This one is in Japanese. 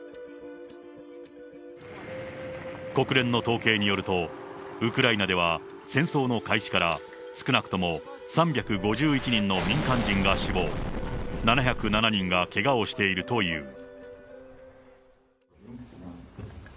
国連の統計によると、ウクライナでは戦争の開始から少なくとも３５１人の民間人が死亡、７０７人がけがをしているという。